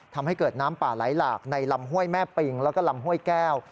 ทำให้เกิดน้ำป่าไหลหลากในลำห้วยแม่ปิงแล้วก็ลำห้วยแก้ว